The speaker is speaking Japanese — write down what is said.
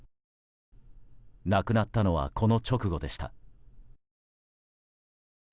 亡くなったのはこの直後でした。